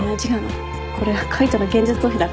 これは海斗の現実逃避だから。